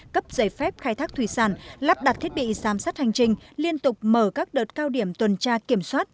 cấp giấy phép khai thác thủy sản lắp đặt thiết bị giám sát hành trình liên tục mở các đợt cao điểm tuần tra kiểm soát